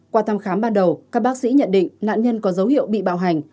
qua thăm khám ban đầu các bác sĩ nhận định nạn nhân có dấu hiệu bị bạo hành